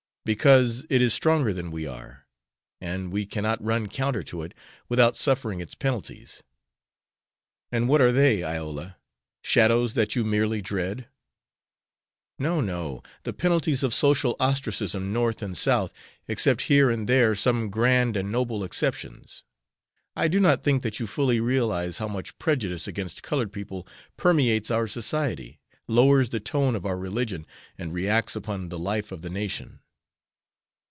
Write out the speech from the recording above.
"Because it is stronger than we are, and we cannot run counter to it without suffering its penalties." "And what are they, Iola? Shadows that you merely dread?" "No! no! the penalties of social ostracism North and South, except here and there some grand and noble exceptions. I do not think that you fully realize how much prejudice against colored people permeates society, lowers the tone of our religion, and reacts upon the life of the nation.